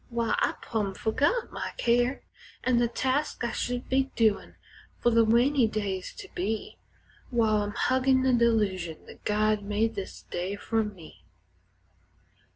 Why, I've plumb fergot my care An' the tasks I should be doin' fer the rainy days to be, While I'm huggin' the delusion that God made this day fer me.